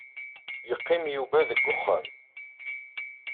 Yeqqim Yuba deg uxxam.